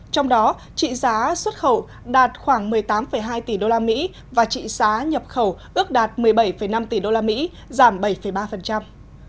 trong đó trị giá xuất khẩu đạt khoảng một mươi tám hai tỷ usd và trị giá nhập khẩu ước đạt một mươi bảy năm tỷ usd giảm bảy ba